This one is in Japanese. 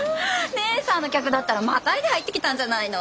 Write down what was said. ねえさんの客だったらまたいで入ってきたんじゃないの？